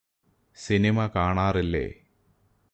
cinema കാണാറില്ലേ